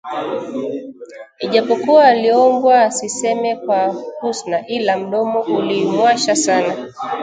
Ijapokuwa aliombwa asiseme kwa Husna ila mdomo ulimwasha sana